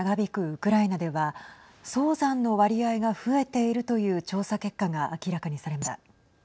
ウクライナでは早産の割合が増えているという調査結果が明らかにされました。